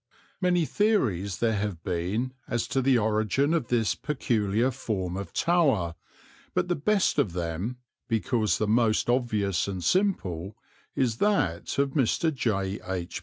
Many theories there have been as to the origin of this peculiar form of tower, but the best of them, because the most obvious and simple, is that of Mr. J. H.